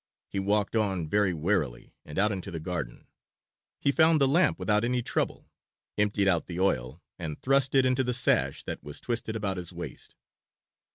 He walked on very warily and out into the garden. He found the lamp without any trouble, emptied out the oil, and thrust it into the sash that was twisted about his waist.